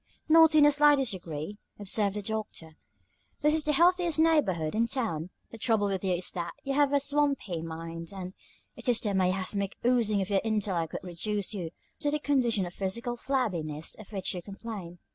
"Not in the slightest degree," observed the Doctor. "This is the healthiest neighborhood in town. The trouble with you is that you have a swampy mind, and it is the miasmatic oozings of your intellect that reduce you to the condition of physical flabbiness of which you complain.